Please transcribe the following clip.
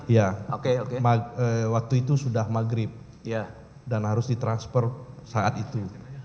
iya waktu itu sudah maghrib dan harus ditransfer saat itu